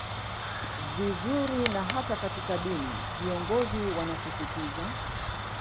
vizuri na hata katika dini viongozi wanasisitiza